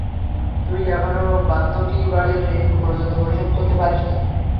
তুই এখনো বন্ধকী বাড়ির ঋণ পর্যন্ত পরিশোধ করতে পারিসনি।